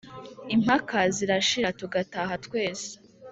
impaka zirashira tugataha twese